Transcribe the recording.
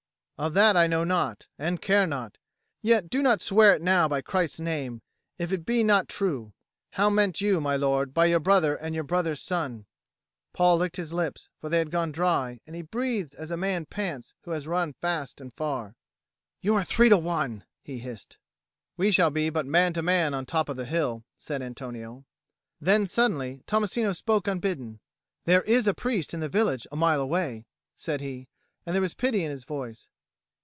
"Of that I know not, and care not; yet do not swear it now by Christ's name if it be not true. How meant you, my lord, by your brother and your brother's son?" Paul licked his lips, for they had gone dry, and he breathed as a man pants who has run far and fast. "You are three to one," he hissed. "We shall be but man to man on the top of the hill," said Antonio. Then suddenly Tommasino spoke unbidden. "There is a priest in the village a mile away," said he, and there was pity in his voice.